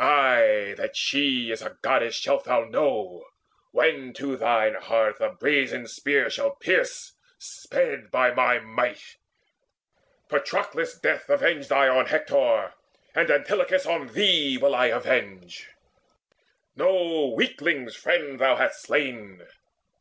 Ay, that she is a Goddess shalt thou know When to thine heart the brazen spear shall pierce Sped by my might. Patroclus' death I avenged On Hector, and Antilochus on thee Will I avenge. No weakling's friend thou hast slain!